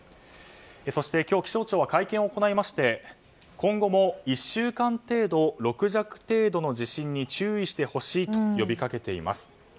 そして、今日気象庁は会見を行いまして今後も１週間程度６弱程度の地震に注意してほしいと呼び掛けています。